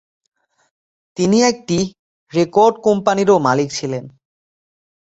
তিনি একটি রেকর্ড কোম্পানিরও মালিক ছিলেন।